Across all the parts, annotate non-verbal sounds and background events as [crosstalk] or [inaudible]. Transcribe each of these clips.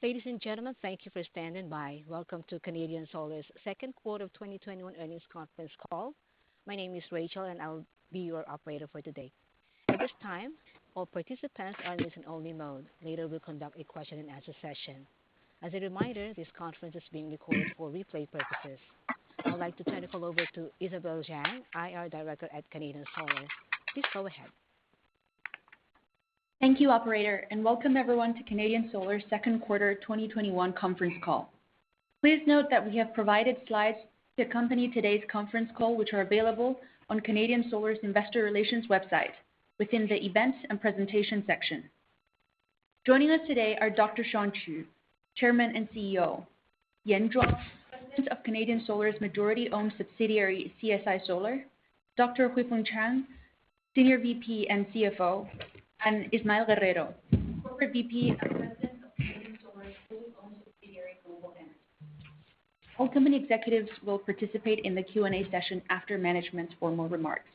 Ladies and gentlemen, thank you for standing by. Welcome to Canadian Solar's Second Quarter of 2021 Earnings Conference Call. My name is Rachel, and I'll be your operator for today. At this time, all participants are in listen only mode. Later, we'll conduct a question and answer session. As a reminder, this conference is being recorded for replay purposes. I'd like to turn the call over to Isabel Zhang, IR Director at Canadian Solar. Please go ahead. Thank you, Operator, and welcome everyone to Canadian Solar's Second Quarter 2021 Conference Call. Please note that we have provided slides to accompany today's conference call, which are available on Canadian Solar's investor relations website within the events and presentation section. Joining us today are Dr. Shawn Qu, Chairman and CEO, Yan Zhuang, President of Canadian Solar's majority-owned subsidiary, CSI Solar, Dr. Huifeng Chang, Senior VP and CFO, and Ismael Guerrero, Corporate VP and President of Canadian Solar's fully-owned subsidiary, Global Energy. All company executives will participate in the Q&A session after management's formal remarks.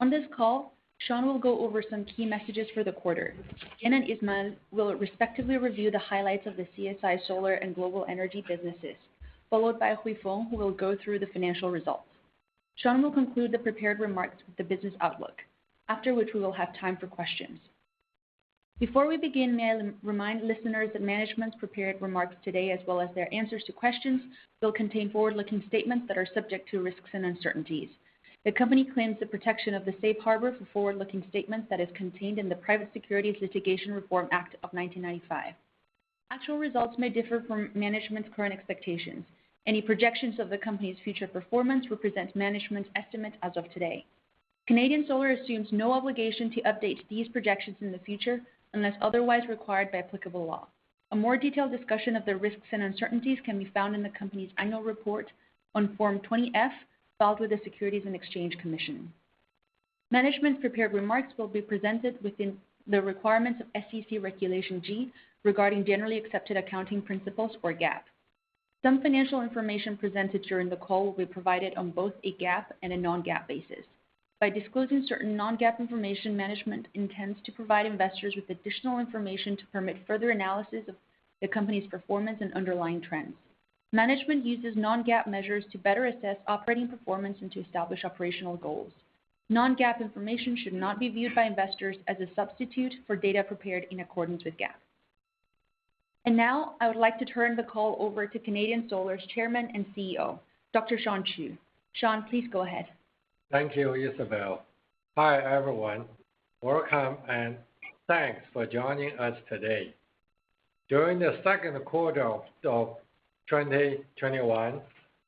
On this call, Shawn will go over some key messages for the quarter. Yan and Ismael will respectively review the highlights of the CSI Solar and Global Energy businesses, followed by Huifeng, who will go through the financial results. Shawn Qu will conclude the prepared remarks with the business outlook, after which we will have time for questions. Before we begin, may I remind listeners that management's prepared remarks today, as well as their answers to questions, will contain forward-looking statements that are subject to risks and uncertainties. The company claims the protection of the safe harbor for forward-looking statements that is contained in the Private Securities Litigation Reform Act of 1995. Actual results may differ from management's current expectations. Any projections of the company's future performance represent management's estimate as of today. Canadian Solar assumes no obligation to update these projections in the future unless otherwise required by applicable law. A more detailed discussion of the risks and uncertainties can be found in the company's annual report on Form 20-F, filed with the Securities and Exchange Commission. Management prepared remarks will be presented within the requirements of SEC Regulation G regarding generally accepted accounting principles, or GAAP. Some financial information presented during the call will be provided on both a GAAP and a non-GAAP basis. By disclosing certain non-GAAP information, management intends to provide investors with additional information to permit further analysis of the company's performance and underlying trends. Management uses non-GAAP measures to better assess operating performance and to establish operational goals. Non-GAAP information should not be viewed by investors as a substitute for data prepared in accordance with GAAP. Now I would like to turn the call over to Canadian Solar's Chairman and CEO, Dr. Shawn Qu. Shawn, please go ahead. Thank you, Isabel. Hi, everyone. Welcome and thanks for joining us today. During the second quarter of 2021,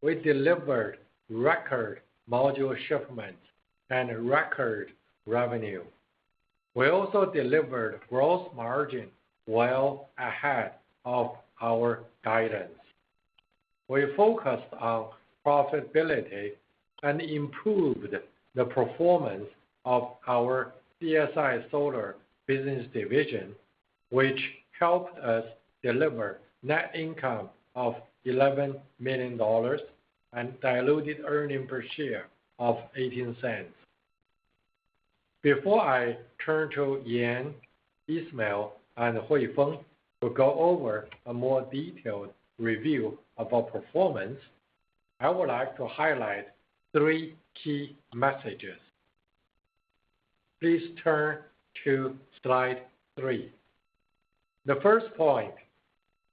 we delivered record module shipments and record revenue. We also delivered gross margin well ahead of our guidance. We focused on profitability and improved the performance of our CSI Solar business division, which helped us deliver net income of $11 million and diluted earnings per share of $0.18. Before I turn to Yan, Ismael, and Huifeng to go over a more detailed review of our performance, I would like to highlight three key messages. Please turn to slide three. The first point,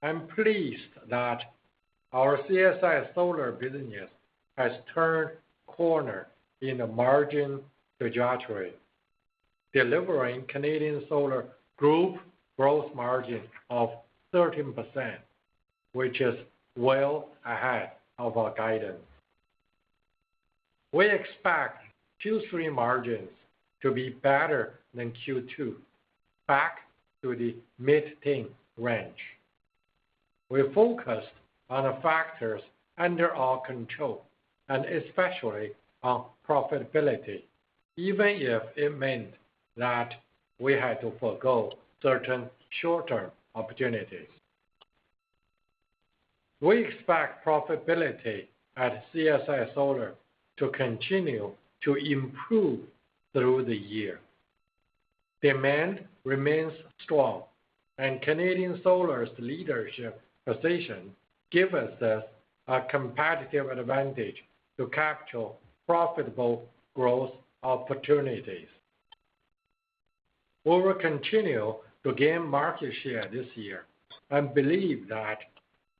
I'm pleased that our CSI Solar business has turned a corner in the margin trajectory, delivering Canadian Solar Group gross margin of 13%, which is well ahead of our guidance. We expect Q3 margins to be better than Q2, back to the mid-teens range. We're focused on the factors under our control and especially on profitability, even if it meant that we had to forgo certain short-term opportunities. We expect profitability at CSI Solar to continue to improve through the year. Demand remains strong. Canadian Solar's leadership position gives us a competitive advantage to capture profitable growth opportunities. We will continue to gain market share this year and believe that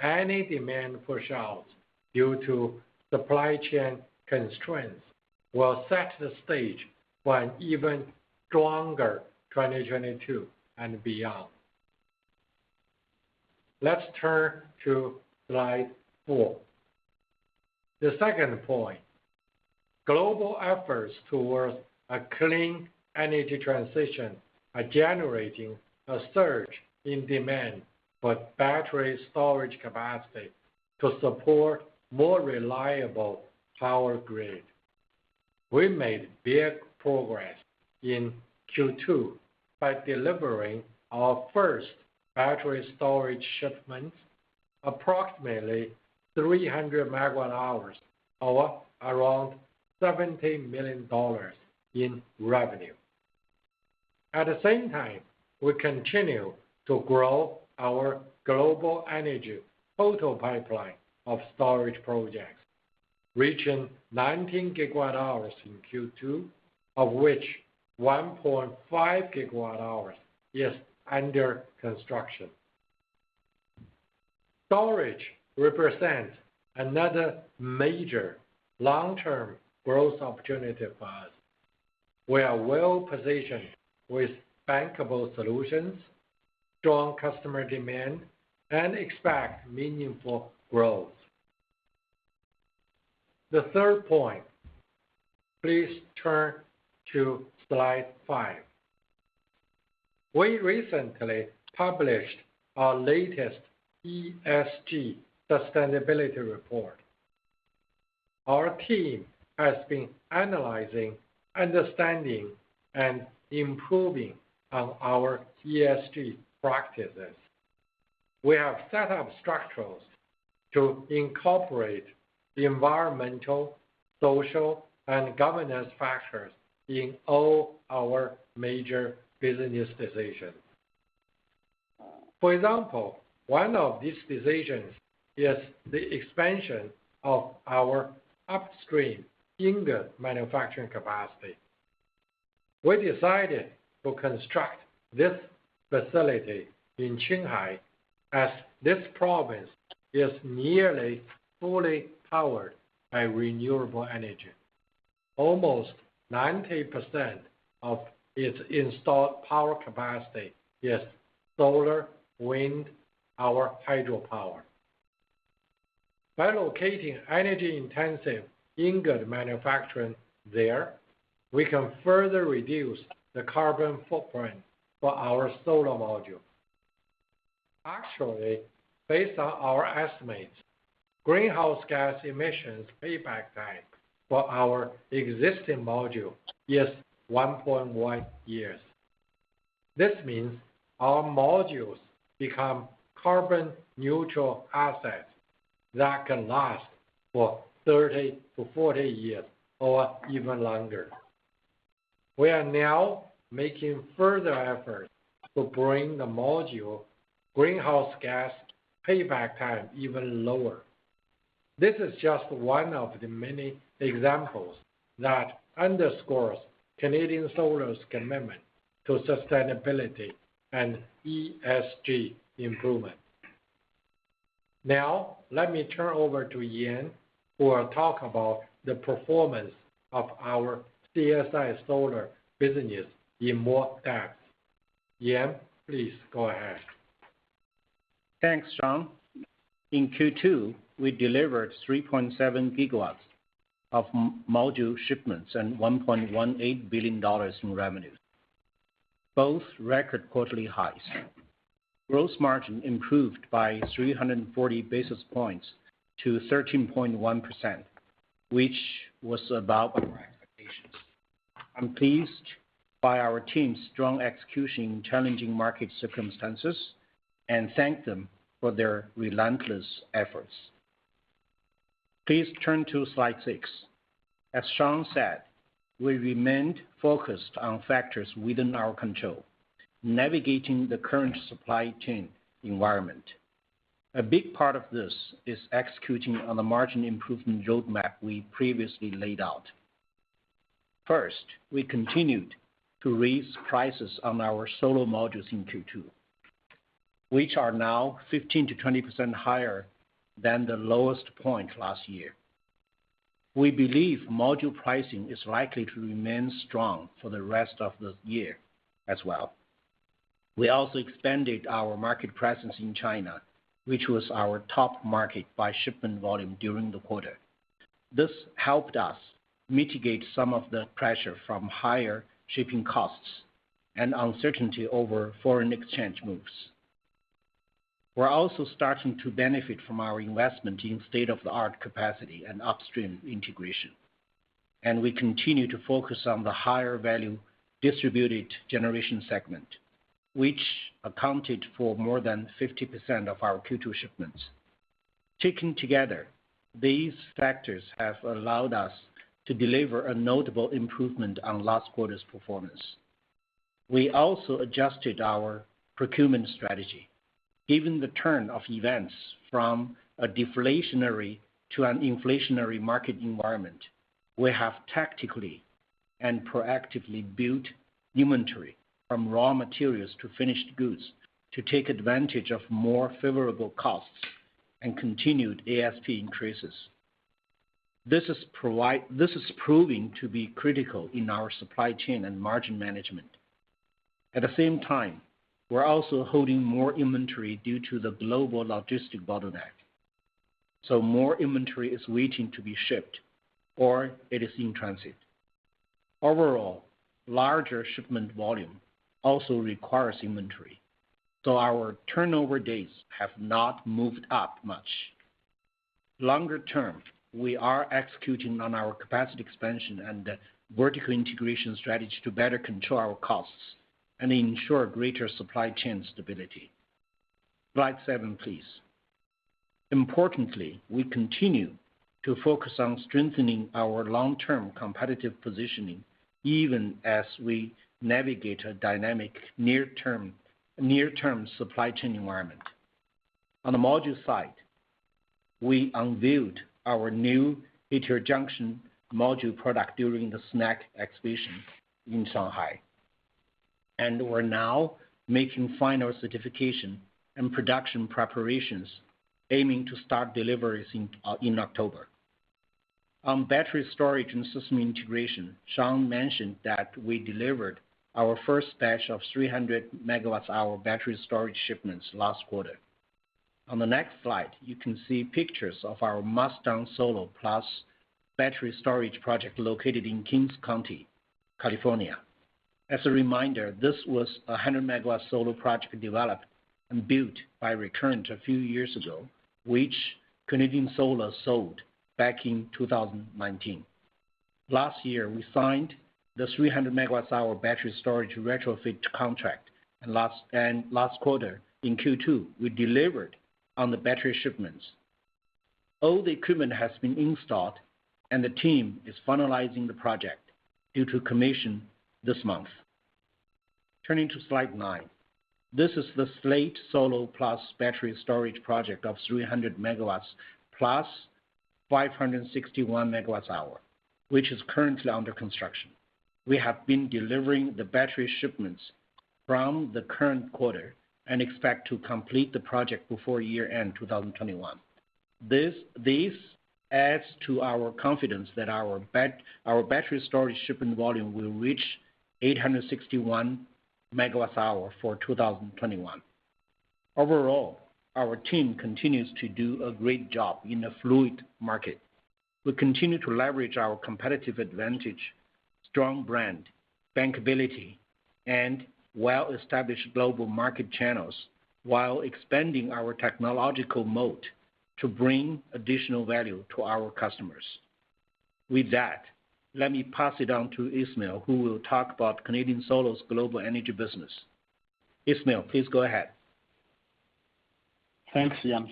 any demand push outs due to supply chain constraints will set the stage for an even stronger 2022 and beyond. Let's turn to slide four. The second point, global efforts towards a clean energy transition are generating a surge in demand for battery storage capacity to support more reliable power grid. We made big progress in Q2 by delivering our first battery storage shipments. Approximately 300 MWh or around $17 million in revenue. At the same time, we continue to grow our Global Energy total pipeline of storage projects, reaching 19 GWh in Q2, of which 1.5 GWh is under construction. Storage represents another major long-term growth opportunity for us. We are well-positioned with bankable solutions, strong customer demand, and expect meaningful growth. The third point, please turn to slide five. We recently published our latest ESG sustainability report. Our team has been analyzing, understanding, and improving on our ESG practices. We have set up structures to incorporate the environmental, social, and governance factors in all our major business decisions. For example, one of these decisions is the expansion of our upstream ingot manufacturing capacity. We decided to construct this facility in Qinghai as this province is nearly fully powered by renewable energy. Almost 90% of its installed power capacity is solar, wind, or hydropower. By locating energy-intensive ingot manufacturing there, we can further reduce the carbon footprint for our solar module. Actually, based on our estimates, greenhouse gas emissions payback time for our existing module is 1.1 years. This means our modules become carbon-neutral assets that can last for 30 to 40 years or even longer. We are now making further efforts to bring the module greenhouse gas payback time even lower. This is just one of the many examples that underscores Canadian Solar's commitment to sustainability and ESG improvement. Now, let me turn over to Yan, who will talk about the performance of our CSI Solar business in more depth. Yan, please go ahead. Thanks, Shawn. In Q2, we delivered 3.7 GW of module shipments and $1.18 billion in revenue, both record quarterly highs. Gross margin improved by 340 basis points to 13.1%, which was above our expectations. I'm pleased by our team's strong execution in challenging market circumstances and thank them for their relentless efforts. Please turn to slide six. As Shawn said, we remained focused on factors within our control, navigating the current supply chain environment. A big part of this is executing on the margin improvement roadmap we previously laid out. First, we continued to raise prices on our solar modules in Q2, which are now 15%-20% higher than the lowest point last year. We believe module pricing is likely to remain strong for the rest of the year as well. We also expanded our market presence in China, which was our top market by shipment volume during the quarter. This helped us mitigate some of the pressure from higher shipping costs and uncertainty over foreign exchange moves. We're also starting to benefit from our investment in state-of-the-art capacity and upstream integration, and we continue to focus on the higher value distributed generation segment, which accounted for more than 50% of our Q2 shipments. Taken together, these factors have allowed us to deliver a notable improvement on last quarter's performance. We also adjusted our procurement strategy. Given the turn of events from a deflationary to an inflationary market environment, we have tactically and proactively built inventory from raw materials to finished goods to take advantage of more favorable costs and continued ASP increases. This is proving to be critical in our supply chain and margin management. At the same time, we're also holding more inventory due to the global logistic bottleneck, so more inventory is waiting to be shipped or it is in transit. Overall, larger shipment volume also requires inventory, so our turnover days have not moved up much. Longer term, we are executing on our capacity expansion and vertical integration strategy to better control our costs and ensure greater supply chain stability. Slide seven, please. Importantly, we continue to focus on strengthening our long-term competitive positioning, even as we navigate a dynamic near-term supply chain environment. On the module side, we unveiled our new heterojunction module product during the SNEC exhibition in Shanghai. We're now making final certification and production preparations, aiming to start deliveries in October. On battery storage and system integration, Shawn mentioned that we delivered our first batch of 300 MWh battery storage shipments last quarter. On the next slide, you can see pictures of our Mustang Solar Plus battery storage project located in Kings County, California. As a reminder, this was a 100 MW solar project developed and built by Recurrent a few years ago, which Canadian Solar sold back in 2019. Last year, we signed the 300 MWh battery storage retrofit contract. Last quarter, in Q2, we delivered on the battery shipments. All the equipment has been installed, and the team is finalizing the project due to commission this month. Turning to Slide nine. This is the Slate Solar Plus battery storage project of 300 MW plus 561 MWh, which is currently under construction. We have been delivering the battery shipments from the current quarter and expect to complete the project before year-end 2021. This adds to our confidence that our battery storage shipping volume will reach 861 MWh for 2021. Overall, our team continues to do a great job in a fluid market. We continue to leverage our competitive advantage, strong brand, bankability, and well-established global market channels while expanding our technological moat to bring additional value to our customers. With that, let me pass it on to Ismael, who will talk about Canadian Solar's Global Energy business. Ismael, please go ahead. Thanks, Yan.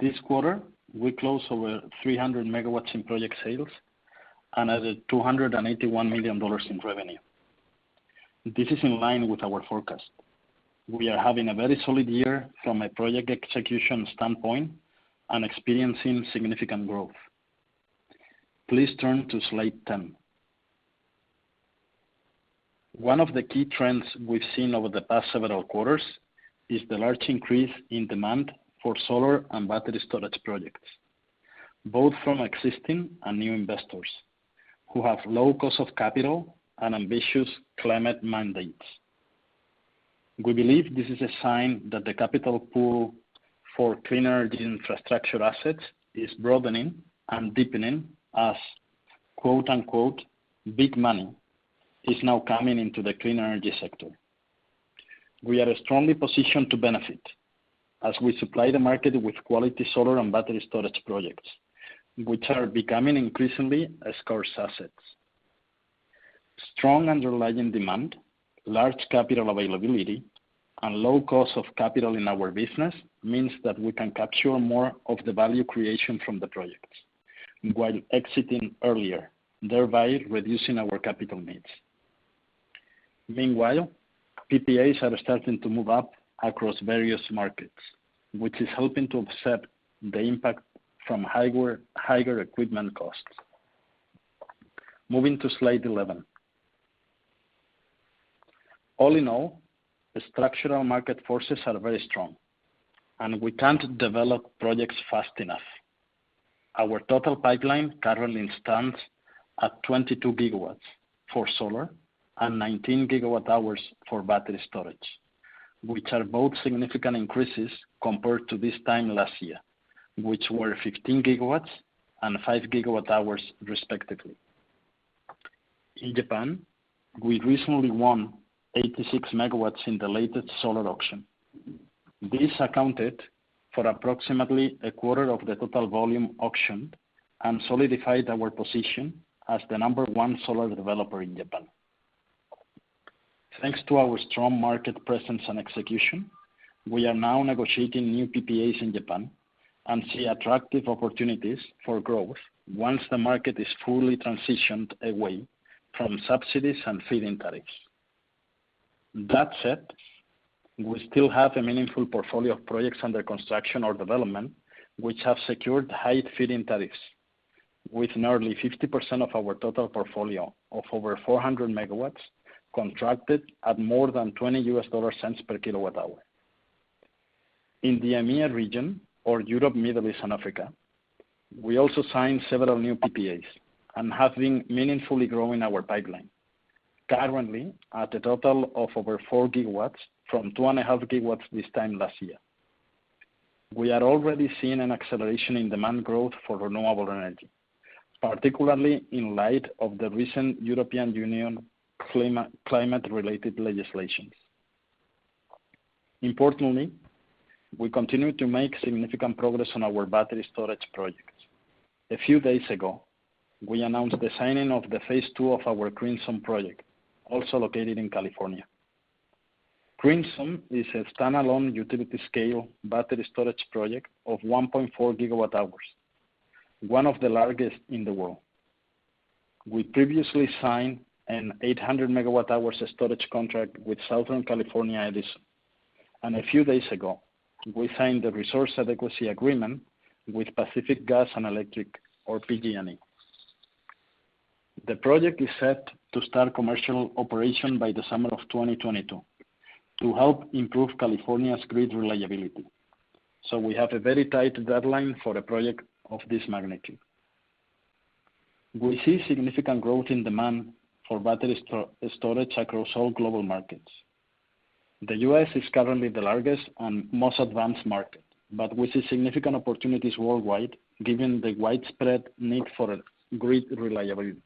This quarter, we closed over 300 MW in project sales and added $281 million in revenue. This is in line with our forecast. We are having a very solid year from a project execution standpoint and experiencing significant growth. Please turn to Slide 10. One of the key trends we've seen over the past several quarters is the large increase in demand for solar and battery storage projects, both from existing and new investors, who have low cost of capital and ambitious climate mandates. We believe this is a sign that the capital pool for clean energy infrastructure assets is broadening and deepening as, quote-unquote, "big money" is now coming into the clean energy sector. We are strongly positioned to benefit as we supply the market with quality solar and battery storage projects, which are becoming increasingly scarce assets. Strong underlying demand, large capital availability, and low cost of capital in our business means that we can capture more of the value creation from the projects while exiting earlier, thereby reducing our capital needs. Meanwhile, PPAs are starting to move up across various markets, which is helping to offset the impact from higher equipment costs. Moving to Slide 11. All in all, the structural market forces are very strong, we can't develop projects fast enough. Our total pipeline currently stands at 22 GW for solar and 19 GWh for battery storage, which are both significant increases compared to this time last year, which were 15 GW and 5 GWh, respectively. In Japan, we recently won 86 MW in the latest solar auction. This accounted for approximately a quarter of the total volume auctioned and solidified our position as the number one solar developer in Japan. Thanks to our strong market presence and execution, we are now negotiating new PPAs in Japan and see attractive opportunities for growth once the market is fully transitioned away from subsidies and feed-in tariffs. That said, we still have a meaningful portfolio of projects under construction or development, which have secured high feed-in tariffs, with nearly 50% of our total portfolio of over 400 MW contracted at more than $0.20 per MWh. In the EMEA region, or Europe, Middle East, and Africa, we also signed several new PPAs and have been meaningfully growing our pipeline, currently at a total of over 4 GW from 2.5 GW this time last year. We are already seeing an acceleration in demand growth for renewable energy, particularly in light of the recent European Union climate-related legislations. Importantly we continue to make significant progress on our battery storage projects. A few days ago, we announced the signing of the phase II of our Crimson project, also located in California. Crimson is a standalone utility-scale battery storage project of 1.4 GWh, one of the largest in the world. We previously signed an 800 MWh storage contract with Southern California Edison, and a few days ago, we signed the Resource Adequacy agreement with Pacific Gas & Electric or PG&E. The project is set to start commercial operation by the summer of 2022 to help improve California's grid reliability. We have a very tight deadline for a project of this magnitude. We see significant growth in demand for battery storage across all global markets. The U.S. is currently the largest and most advanced market, but we see significant opportunities worldwide given the widespread need for grid reliability,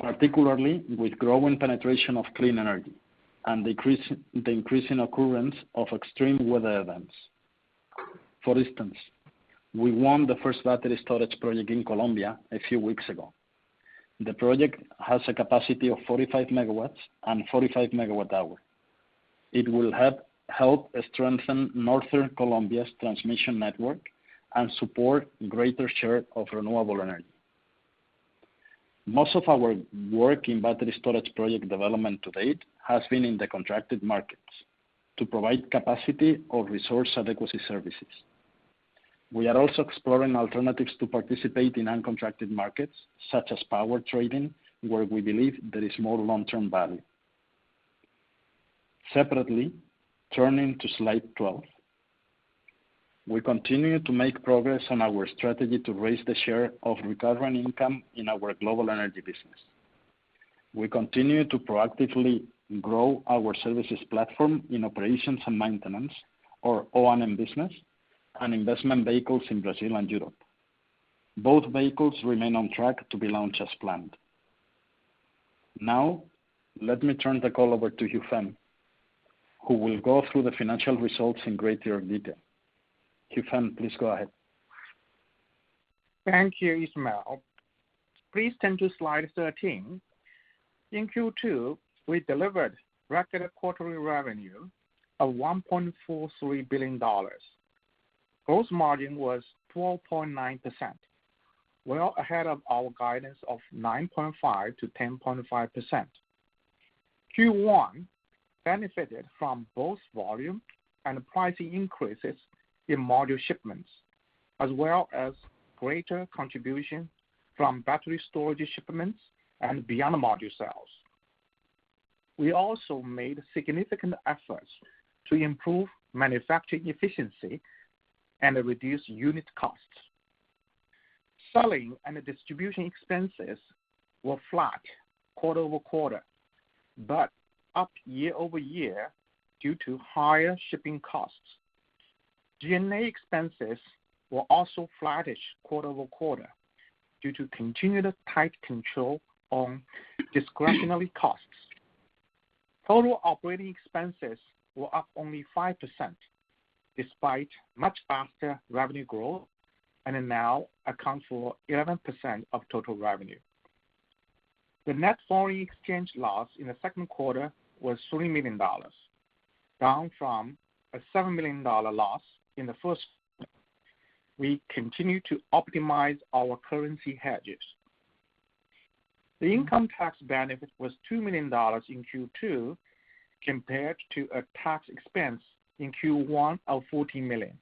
particularly with growing penetration of clean energy and the increasing occurrence of extreme weather events. For instance, we won the first battery storage project in Colombia a few weeks ago. The project has a capacity of 45 MW and 45 MWh. It will help strengthen northern Colombia's transmission network and support greater share of renewable energy. Most of our work in battery storage project development to date has been in the contracted markets to provide capacity or Resource Adequacy services. We are also exploring alternatives to participate in uncontracted markets, such as power trading, where we believe there is more long-term value. Separately, turning to slide 12. We continue to make progress on our strategy to raise the share of recurring income in our Global Energy business. We continue to proactively grow our services platform in operations and maintenance or O&M business and investment vehicles in Brazil and Europe. Both vehicles remain on track to be launched as planned. Now, let me turn the call over to Huifeng, who will go through the financial results in greater detail. Huifeng, please go ahead. Thank you, Ismael. Please turn to slide 13. In Q2, we delivered record quarterly revenue of $1.43 billion. Gross margin was 12.9%, well ahead of our guidance of 9.5%-10.5%. Q1 benefited from both volume and pricing increases in module shipments, as well as greater contribution from battery storage shipments and beyond the module sales. We also made significant efforts to improve manufacturing efficiency and reduce unit costs. Selling and distribution expenses were flat quarter-over-quarter, but up year-over-year due to higher shipping costs. G&A expenses were also flattish quarter-over-quarter due to continued tight control on discretionary costs. Total operating expenses were up only 5%, despite much faster revenue growth and now account for 11% of total revenue. The net foreign exchange loss in the second quarter was $3 million, down from a $7 million loss in the first. We continue to optimize our currency hedges. The income tax benefit was $2 million in Q2 compared to a tax expense in Q1 of $14 million.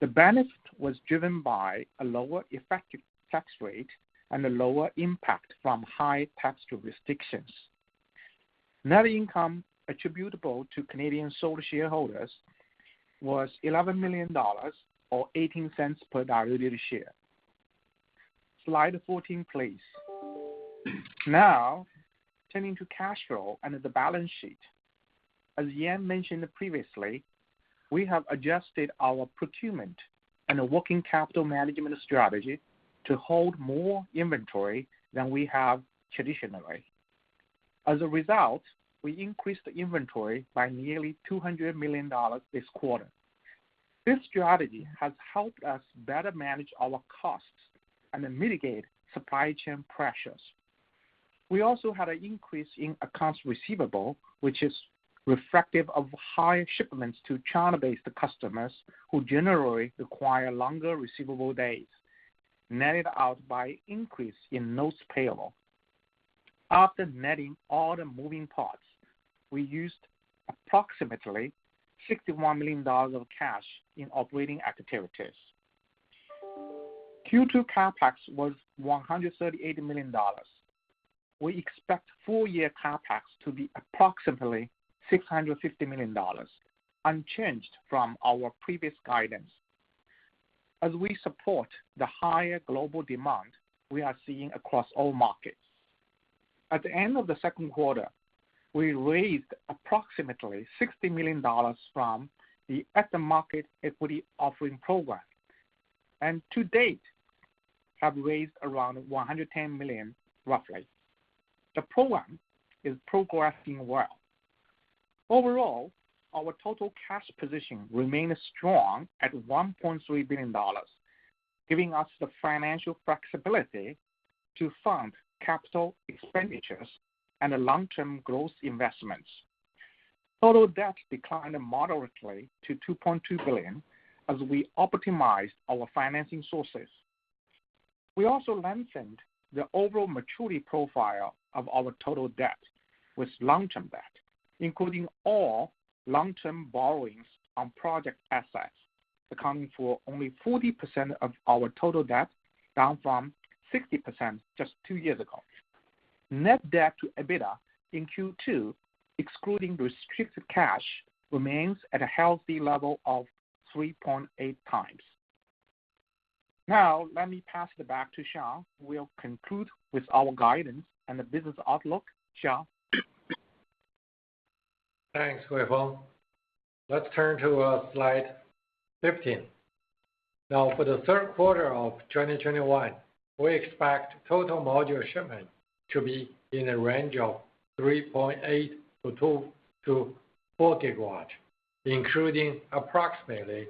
The benefit was driven by a lower effective tax rate and a lower impact from high tax jurisdictions. Net income attributable to Canadian Solar shareholders was $11 million, or $0.18 per diluted share. Slide 14, please. Now, turning to cash flow and the balance sheet. As Yan mentioned previously, we have adjusted our procurement and working capital management strategy to hold more inventory than we have traditionally. As a result, we increased the inventory by nearly $200 million this quarter. This strategy has helped us better manage our costs and mitigate supply chain pressures. We also had an increase in accounts receivable, which is reflective of higher shipments to China-based customers who generally require longer receivable days, netted out by increase in notes payable. After netting all the moving parts, we used approximately $61 million of cash in operating activities. Q2 CapEx was $138 million. We expect full year CapEx to be approximately $650 million, unchanged from our previous guidance as we support the higher global demand we are seeing across all markets. At the end of the second quarter, we raised approximately $60 million from the at the market equity offering program. To date, have raised around $110 million roughly. The program is progressing well. Overall, our total cash position remains strong at $1.3 billion, giving us the financial flexibility to fund capital expenditures and long-term growth investments. Total debt declined moderately to $2.2 billion as we optimized our financing sources. We also lengthened the overall maturity profile of our total debt with long-term debt, including all long-term borrowings on project assets, accounting for only 40% of our total debt, down from 60% just two years ago. Net debt to EBITDA in Q2, excluding restricted cash, remains at a healthy level of 3.8 times. Let me pass it back to Shawn Qu. We'll conclude with our guidance and the business outlook. Shawn Qu? Thanks, Huifeng. Let's turn to slide 15. For the third quarter of 2021, we expect total module shipments to be in the range of 3.8-4 GW, including approximately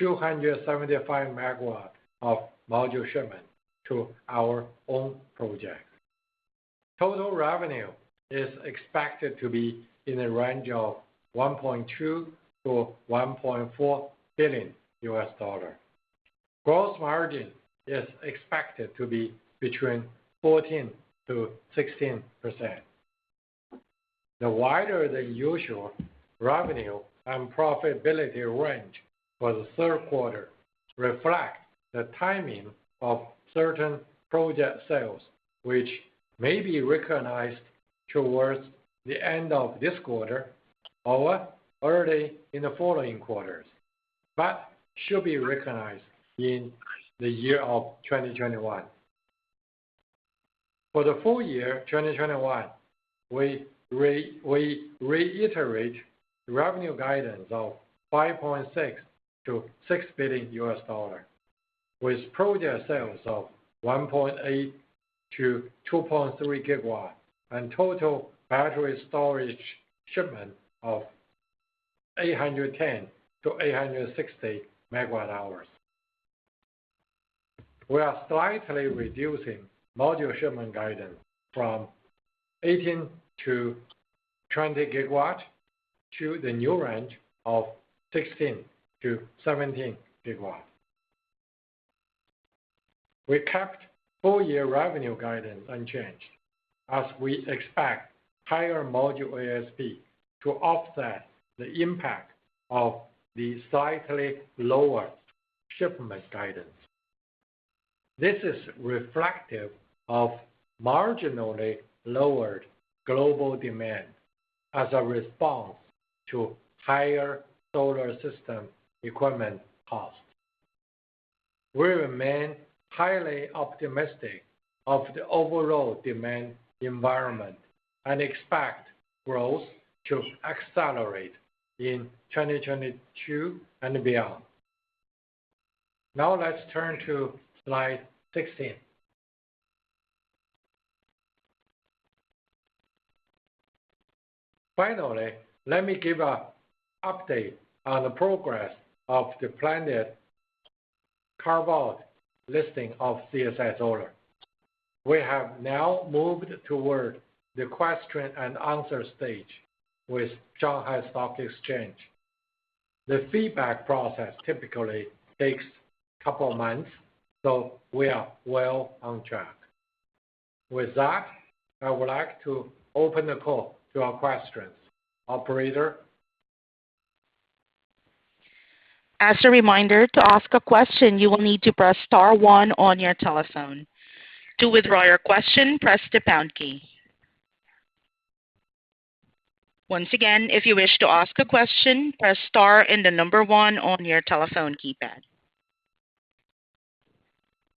275 MW of module shipments to our own projects. Total revenue is expected to be in the range of $1.2 billion-$1.4 billion. Gross margin is expected to be between 14%-16%. The wider-than-usual revenue and profitability range for the third quarter reflects the timing of certain project sales, which may be recognized towards the end of this quarter or early in the following quarters, but should be recognized in the year of 2021. For the full year 2021, we reiterate revenue guidance of $5.6 billion-$6 billion with project sales of 1.8-2.3 GW and total battery storage shipments of 810-860 MWh. We are slightly reducing module shipment guidance from 18-20 GW to the new range of 16-17 GW. We kept full-year revenue guidance unchanged as we expect higher module ASP to offset the impact of the slightly lower shipment guidance. This is reflective of marginally lowered global demand as a response to higher solar system equipment costs. We remain highly optimistic of the overall demand environment and expect growth to accelerate in 2022 and beyond. Let's turn to slide 16. Let me give an update on the progress of the planned carve-out listing of CSI Solar. We have now moved toward the question and answer stage with Shanghai Stock Exchange. The feedback process typically takes a couple of months, we are well on track. With that, I would like to open the call to our questions. Operator?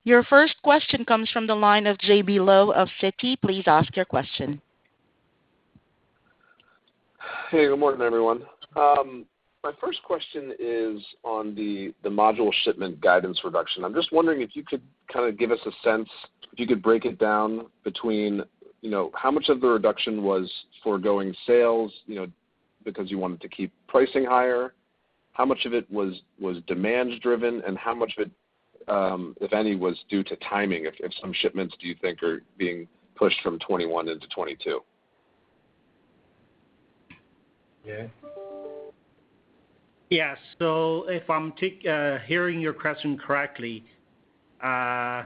Your first question comes from the line of J.B. Lowe of Citi. Please ask your question. Hey, good morning, everyone. My first question is on the module shipment guidance reduction. I'm just wondering if you could give us a sense, if you could break it down between how much of the reduction was foregoing sales because you wanted to keep pricing higher? How much of it was demand driven? How much of it, if any, was due to timing? If some shipments, do you think, are being pushed from 2021 into 2022? Yeah. Yeah. If I'm hearing your question correctly, I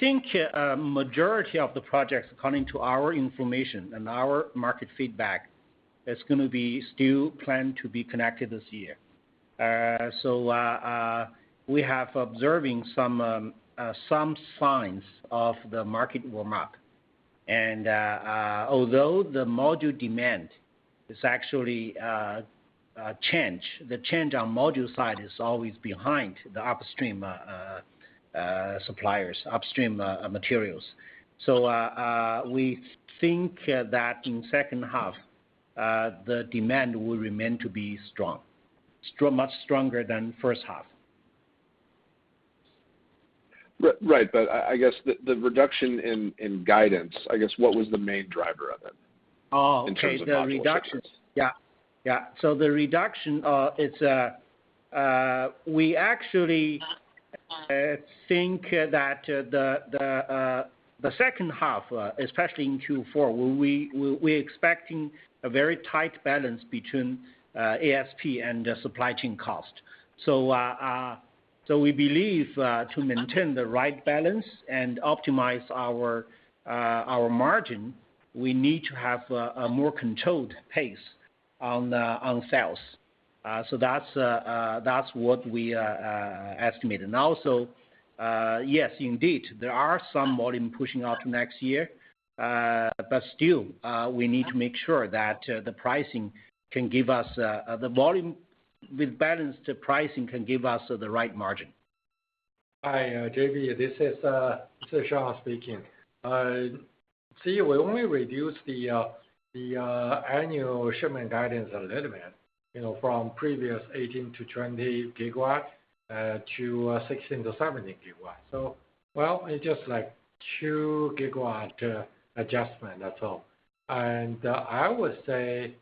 think a majority of the projects, according to our information and our market feedback, is going to be still planned to be connected this year. We have observing some signs of the market warm-up. Although the module demand is actually changed, the change on module side is always behind the upstream suppliers, upstream materials. We think that in second half, the demand will remain to be strong. Much stronger than first half. Right. I guess the reduction in guidance, what was the main driver of it? Oh, okay. The reduction. In terms of module reductions? Yeah. The reduction, we actually think that the second half, especially in Q4, we're expecting a very tight balance between ASP and the supply chain cost. We believe, to maintain the right balance and optimize our margin, we need to have a more controlled pace on sales. That's what we estimated. Yes, indeed, there are some volume pushing out next year. Still, we need to make sure that the volume with balanced pricing can give us the right margin. Hi, J.B. Lowe. This is Shawn Qu speaking. We only reduced the annual shipment guidance a little bit, from previous 18-20 GW to 16-17 GW. Well, it's just 2 GW adjustment, that's all. I would say,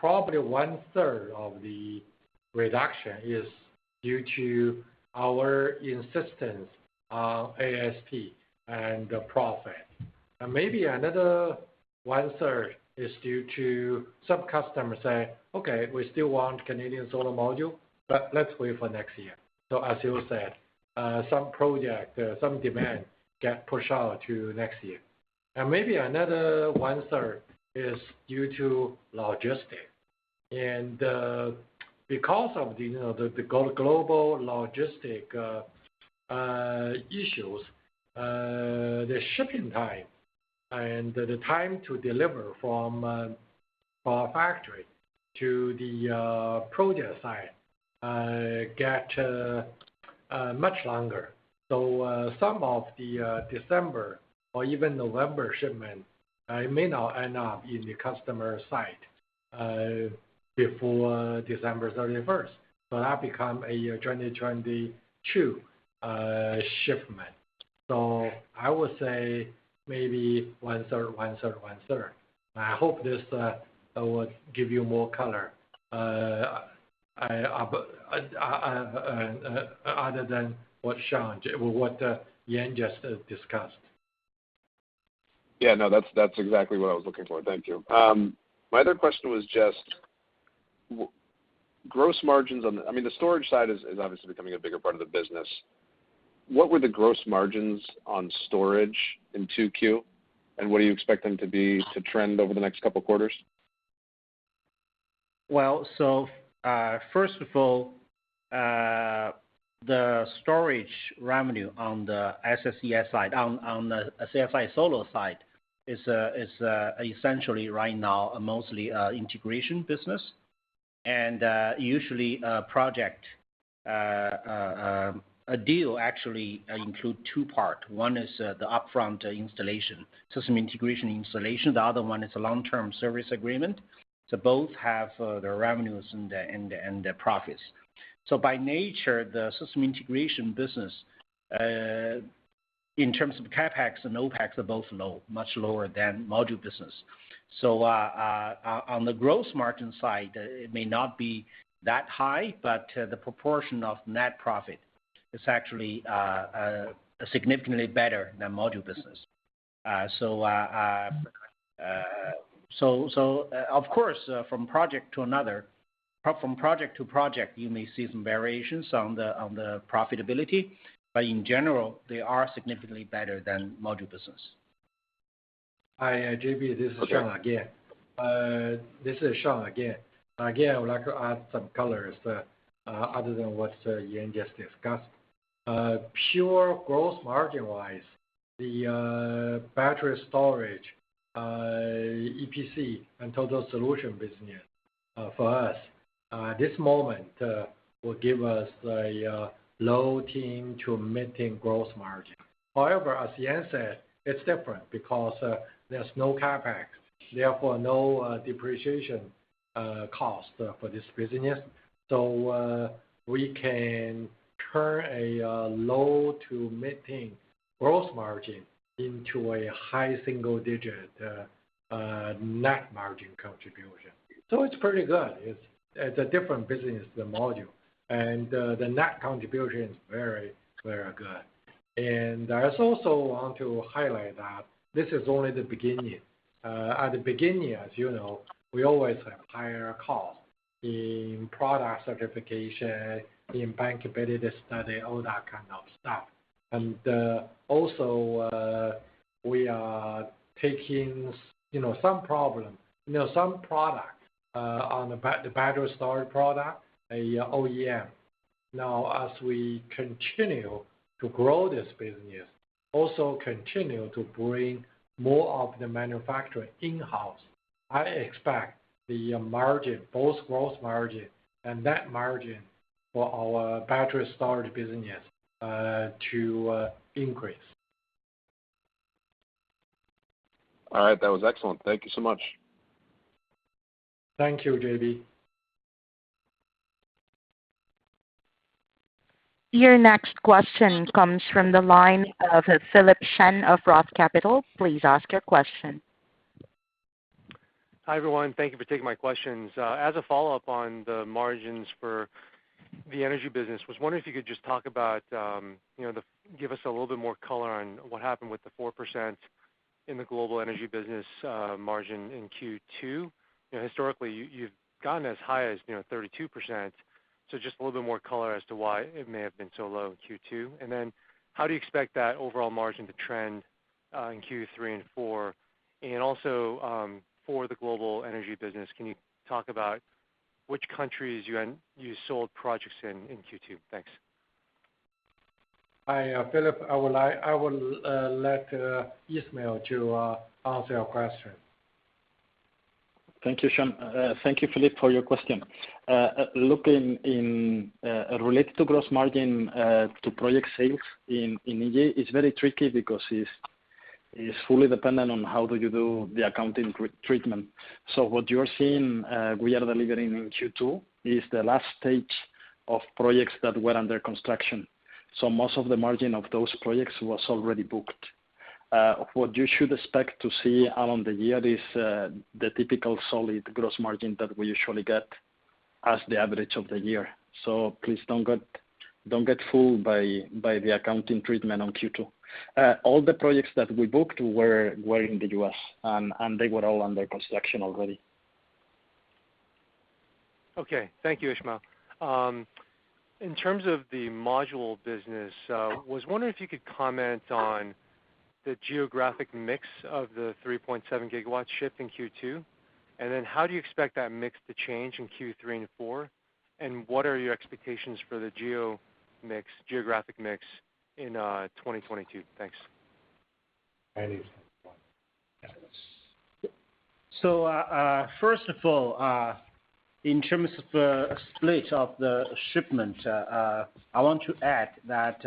probably one third of the reduction is due to our insistence on ASP and the profit. Maybe another one third is due to some customers saying, "Okay, we still want Canadian Solar module, but let's wait for next year." As you said, some project, some demand get pushed out to next year. Maybe another one third is due to logistic. Because of the global logistic issues, the shipping time and the time to deliver from our factory to the project site get much longer. Some of the December or even November shipment may now end up in the customer site before December 31st. That become a year 2022 shipment. I would say maybe one third, one third, one third. I hope this will give you more color other than what Yan just discussed. Yeah, no, that's exactly what I was looking for. Thank you. My other question was just, gross margins on the storage side is obviously becoming a bigger part of the business. What were the gross margins on storage in 2Q, and what do you expect them to be to trend over the next couple of quarters? First of all, the storage revenue on the CSI Solar side is essentially right now mostly integration business. Usually a deal actually include two part. One is the upfront installation, system integration installation. The other one is a long-term service agreement. Both have their revenues and their profits. By nature, the system integration business, in terms of CapEx and OPEX, are both low, much lower than module business. On the gross margin side, it may not be that high, but the proportion of net profit is actually significantly better than module business. Of course, from project to project, you may see some variations on the profitability, but in general, they are significantly better than module business. Hi, J.B., this is Shawn Qu again. Okay. This is Shawn Qu again. I would like to add some colors other than what Yan Zhuang just discussed. Pure gross margin wise, the battery storage, EPC, and total solution business for us at this moment will give us a low teen to mid-teen gross margin. As Yan Zhuang said, it's different because there's no CapEx, therefore no depreciation cost for this business. We can turn a low to mid-teen gross margin into a high single-digit net margin contribution. It's pretty good. It's a different business than module. The net contribution is very good. I also want to highlight that this is only the beginning. At the beginning, as you know, we always have higher costs in product certification, in bankability study, all that kind of stuff. Also, we are taking some product on the battery storage product, an OEM. Now, as we continue to grow this business, also continue to bring more of the manufacturing in-house. I expect the margin, both gross margin and net margin for our battery storage business to increase. All right. That was excellent. Thank you so much. Thank you, J.B. Your next question comes from the line of Philip Shen of Roth Capital. Please ask your question. Hi, everyone. Thank you for taking my questions. As a follow-up on the margins for the energy business, I was wondering if you could give us a little bit more color on what happened with the 4% in the Global Energy business margin in Q2. Historically, you've gotten as high as 32%, so a little bit more color as to why it may have been so low in Q2. How do you expect that overall margin to trend in Q3 and Q4? For the Global Energy business, can you talk about which countries you sold projects in in Q2? Thanks. Hi, Philip. I will let Ismael to answer your question. Thank you, Zhuang, Thank you, Philip, for your question. Looking in related to gross margin, to project sales in EA, it's very tricky because it's fully dependent on how do you do the accounting treatment. What you are seeing we are delivering in Q2 is the last stage of projects that were under construction. Most of the margin of those projects was already booked. What you should expect to see along the year is the typical solid gross margin that we usually get as the average of the year. Please don't get fooled by the accounting treatment on Q2. All the projects that we booked were in the U.S., and they were all under construction already. Okay. Thank you, Ismael. In terms of the module business, I was wondering if you could comment on the geographic mix of the 3.7 GW ship in Q2, and then how do you expect that mix to change in Q3 and Q4, and what are your expectations for the geographic mix in 2022? Thanks. Yan, you can take this one. Yes. First of all, in terms of the split of the shipment, I want to add that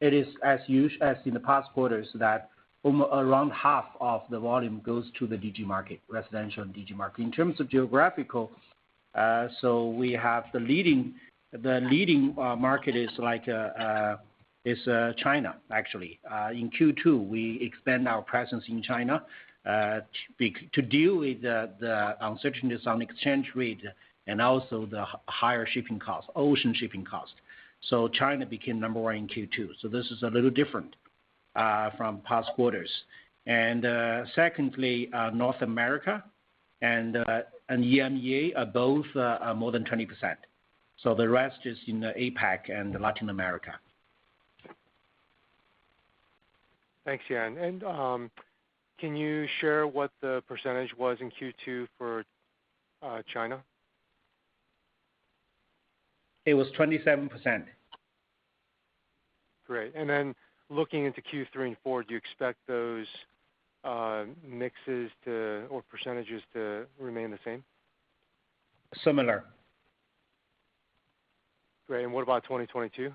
it is as in the past quarters, that around half of the volume goes to the DG market, residential and DG market. In terms of geographical, we have the leading market is China actually. In Q2, we expand our presence in China, to deal with the uncertainties on exchange rate and also the higher shipping cost, ocean shipping cost. China became number 1 in Q2. This is a little different from past quarters. Secondly, North America and EMEA are both more than 20%, the rest is in the APAC and Latin America. Thanks, Yan. Can you share what the percentage was in Q2 for China? It was 27%. Great. Then looking into Q3 and Q4, do you expect those mixes or percentages to remain the same? Similar. Great. What about 2022?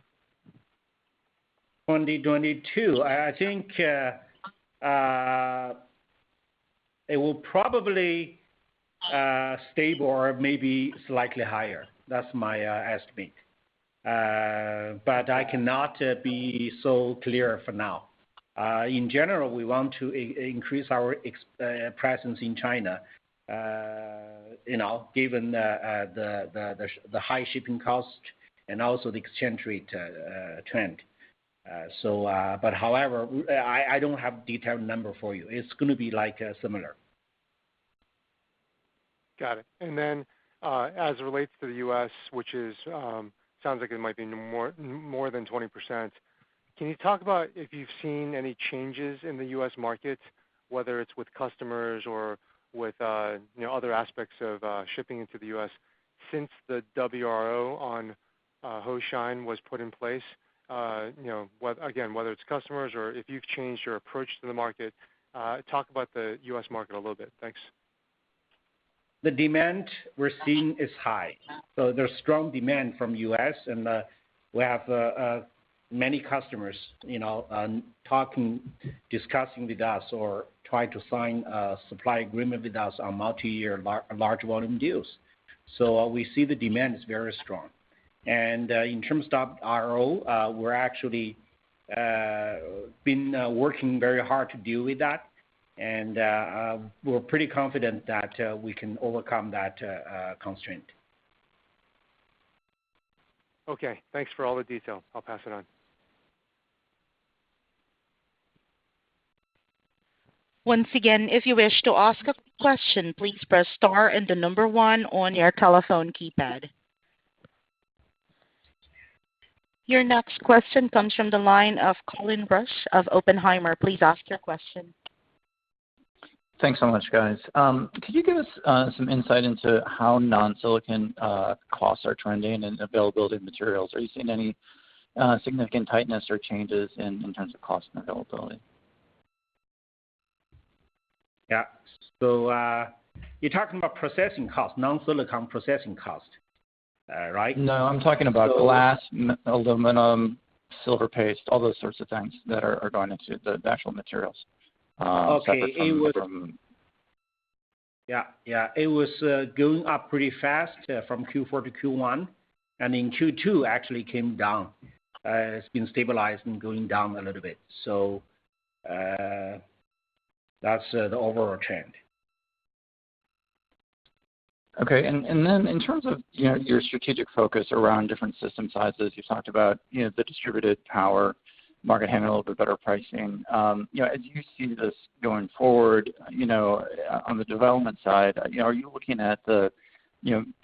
2022, I think it will probably stable or maybe slightly higher. That's my estimate. I cannot be so clear for now. In general, we want to increase our presence in China, given the high shipping cost and also the exchange rate trend. However, I don't have detailed number for you. It's going to be similar. Got it. As it relates to the U.S., which sounds like it might be more than 20%, can you talk about if you've seen any changes in the U.S. market, whether it's with customers or with other aspects of shipping into the U.S. since the WRO on Hoshine was put in place? Again, whether it's customers or if you've changed your approach to the market, talk about the U.S. market a little bit. Thanks. The demand we're seeing is high. There's strong demand from U.S. and we have many customers talking, discussing with us, or trying to sign a supply agreement with us on multi-year, large volume deals. We see the demand is very strong. In terms of WRO, we're actually been working very hard to deal with that and we're pretty confident that we can overcome that constraint. Okay. Thanks for all the detail. I'll pass it on. Your next question comes from the line of Colin Rusch of Oppenheimer. Please ask your question. Thanks so much, guys. Could you give us some insight into how non-silicon costs are trending and availability of materials? Are you seeing any significant tightness or changes in terms of cost and availability? Yeah. You're talking about processing cost, non-silicon processing cost, right? No, I'm talking about glass, aluminum, silver paste, all those sorts of things that are going into the actual materials. Okay. Separate from the silicon. Yeah. It was going up pretty fast from Q4 to Q1, and in Q2 actually came down. It's been stabilized and going down a little bit. That's the overall trend. Okay. In terms of your strategic focus around different system sizes, you talked about the distributed power market having a little bit better pricing. As you see this going forward, on the development side, are you looking at the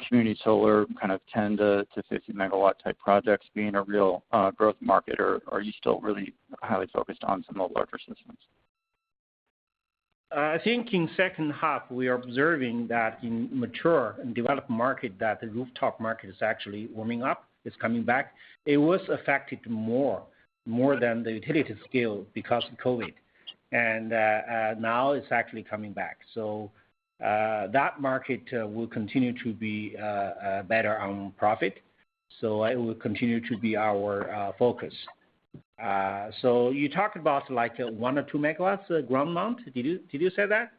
community solar kind of 10-50 MW type projects being a real growth market, or are you still really highly focused on some of the larger systems? I think in second half, we are observing that in mature and developed market, that the rooftop market is actually warming up. It's coming back. It was affected more than the utility scale because of COVID. Now it's actually coming back. That market will continue to be better on profit. It will continue to be our focus. You talked about 1 MW or 2 MW ground mount. Did you say that?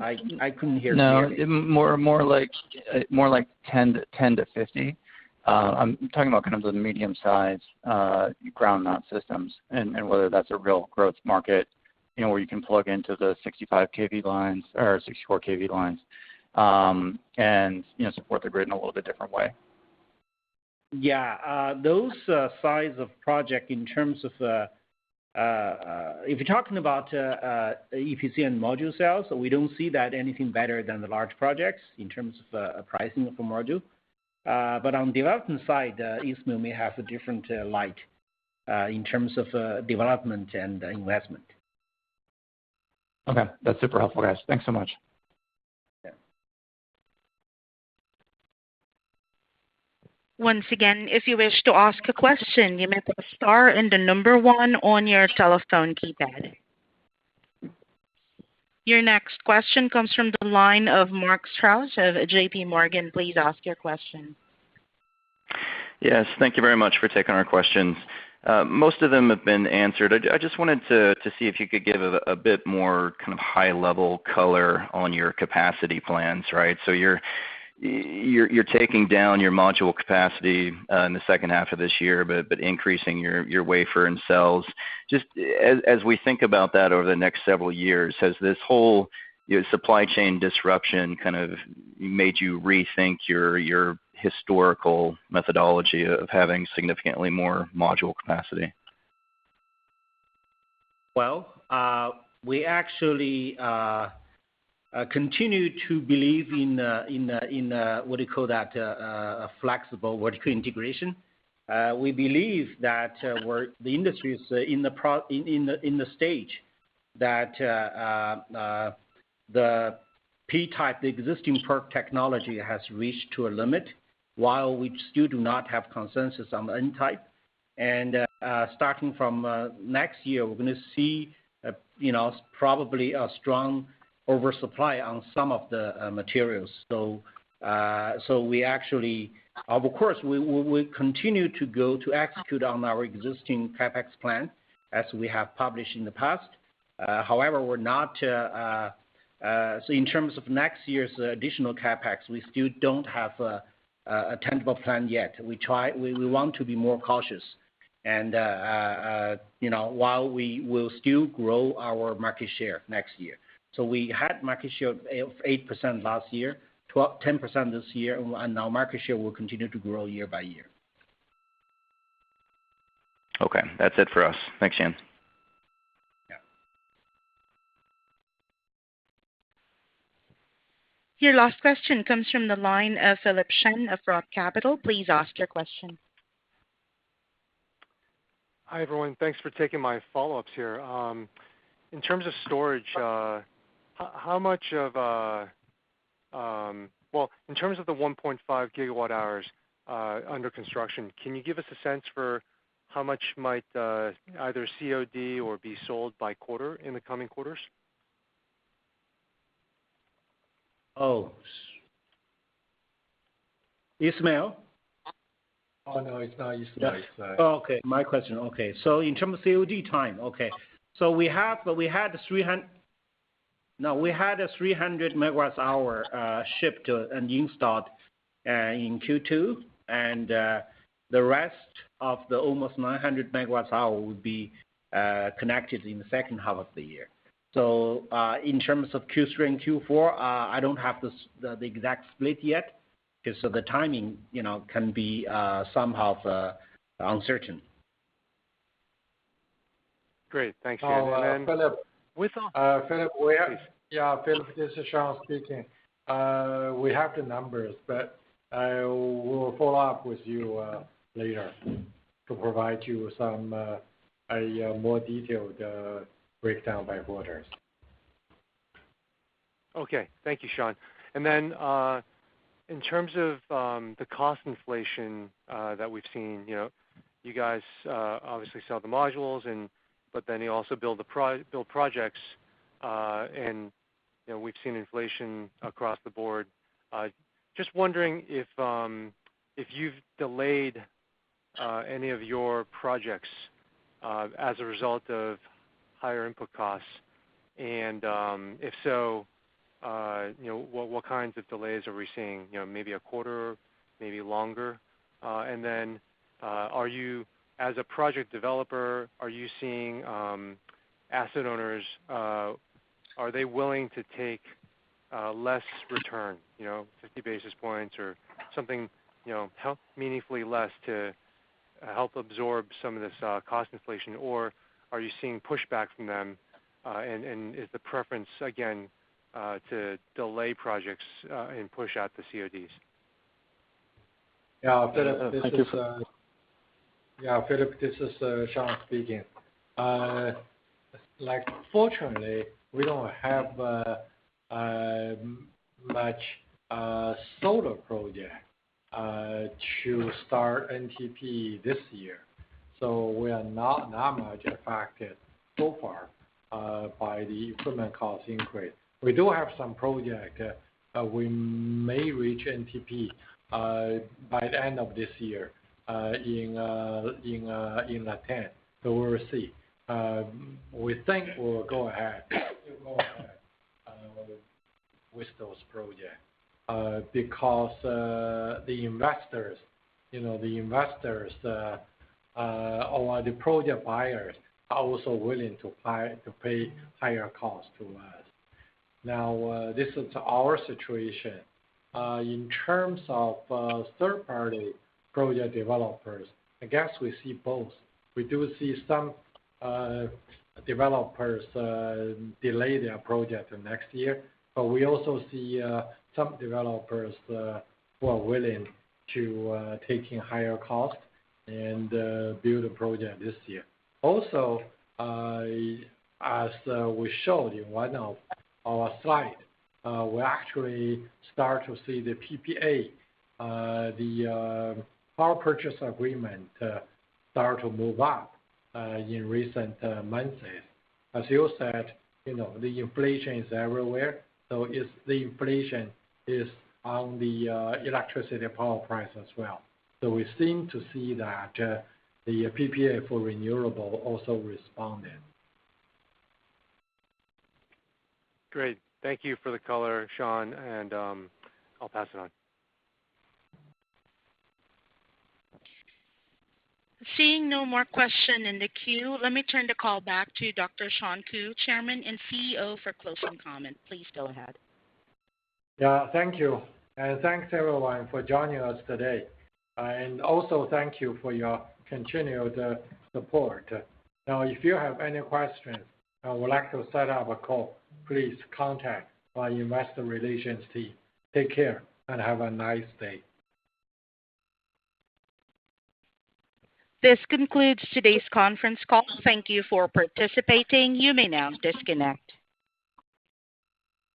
I couldn't hear clearly. No, more like 10 to 50. I'm talking about kind of the medium-sized ground mount systems and whether that's a real growth market, where you can plug into the 65 KV lines or 64 KV lines, and support the grid in a little bit different way. Yeah. Those size of project, if you're talking about EPC and module sales, we don't see that anything better than the large projects in terms of pricing of a module. On development side, Ismael may have a different light, in terms of development and investment. Okay. That's super helpful, guys. Thanks so much. Yeah. Your next question comes from the line of Mark Strouse of JP Morgan. Please ask your question. Yes, thank you very much for taking our questions. Most of them have been answered. I just wanted to see if you could give a bit more kind of high-level color on your capacity plans, right? You're taking down your module capacity in the second half of this year, but increasing your wafer and cells. Just as we think about that over the next several years, has this whole supply chain disruption kind of made you rethink your historical methodology of having significantly more module capacity? Well, we actually continue to believe in what do you call that, a flexible vertical integration. We believe that the industry is in the stage that the P-type, the existing PERC technology has reached to a limit while we still do not have consensus on the N-type. Starting from next year, we're going to see probably a strong oversupply on some of the materials. Of course, we'll continue to go to execute on our existing CapEx plan as we have published in the past. In terms of next year's additional CapEx, we still don't have a tangible plan yet. We want to be more cautious and while we will still grow our market share next year. We had market share of 8% last year, 10% this year, and now market share will continue to grow year by year. Okay. That's it for us. Thanks, Yan. Yeah. Your last question comes from the line of Philip Shen of Roth Capital Partners. Please ask your question. Hi, everyone. Thanks for taking my follow-ups here. In terms of storage, in terms of the 1.5 GWh under construction, can you give us a sense for how much might either COD or be sold by quarter in the coming quarters? Oh. Ismael? Oh, no, it's not Ismael. Sorry. Oh, okay. My question, okay. In terms of COD time, okay. We had 300 MWh shipped and installed in Q2, and the rest of the almost 900 MWh will be connected in the second half of the year. In terms of Q3 and Q4, I don't have the exact split yet, because some of the timing can be somehow uncertain. Great. Thanks, Yan. Oh, Philip? With the... [crosstalk] Philip, this is Shawn speaking. We have the numbers, but I will follow up with you later to provide you some more detailed breakdown by quarters. Okay. Thank you, Shawn. In terms of the cost inflation that we've seen, you guys obviously sell the modules, but then you also build projects. We've seen inflation across the board. Just wondering if you've delayed any of your projects as a result of higher input costs. If so, what kinds of delays are we seeing? Maybe a quarter, maybe longer? As a project developer, are you seeing asset owners, are they willing to take less return, 50 basis points or something meaningfully less to help absorb some of this cost inflation? Are you seeing pushback from them, and is the preference, again, to delay projects, and push out the CODs? Yeah. Thank you for... [crosstalk] Philip, this is Shawn speaking. Fortunately, we don't have much solar projects to start NTP this year. We are not much affected so far by the equipment cost increase. We do have some projects that we may reach NTP by the end of this year in Latin. We'll see. We think we'll go ahead with those projects because the investors or the project buyers are also willing to pay higher costs to us. This is our situation. In terms of third-party project developers, I guess we see both. We do see some developers delay their project to next year, we also see some developers who are willing to take in higher cost and build a project this year. As we showed in one of our slides, we actually start to see the PPA, the power purchase agreement, start to move up in recent months. As you said, the inflation is everywhere. The inflation is on the electricity power price as well. We seem to see that the PPA for renewable also responded. Great. Thank you for the color, Shawn, and I'll pass it on. Seeing no more question in the queue, let me turn the call back to Dr. Shawn Qu, Chairman and CEO, for closing comments. Please go ahead. Yeah. Thank you. Thanks, everyone, for joining us today. Also, thank you for your continued support. Now, if you have any questions or would like to set up a call, please contact our investor relations team. Take care and have a nice day. This concludes today's conference call. Thank you for participating. You may now disconnect.